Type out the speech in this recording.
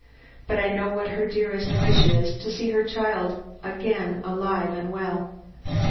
But I know what her dearest wish is to see her child again alive and well.